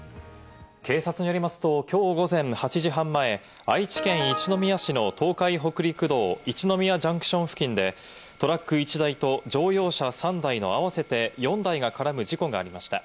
警察によりますと、きょう午前８時半前、愛知県一宮市の東海北陸道一宮ジャンクション付近でトラック１台と乗用車３台の合わせて４台が絡む事故がありました。